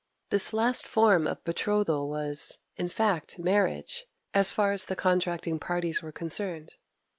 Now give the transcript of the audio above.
This last form of betrothal was, in fact, marriage, as far as the contracting parties were concerned.